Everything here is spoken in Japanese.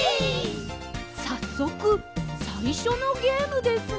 さっそくさいしょのゲームですが。